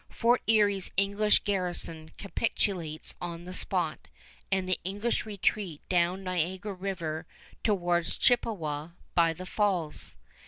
Fort Erie's English garrison capitulates on the spot, and the English retreat down Niagara River towards Chippewa by the Falls.